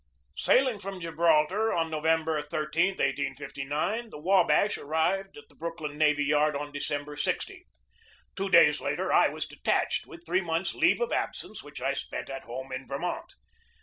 Sailing from Gibraltar on November 13, 1859, the Wabash arrived at the Brooklyn Navy Yard on December 16. Two days later I was detached, with three months' leave of absence, which I spent at home in Vermont.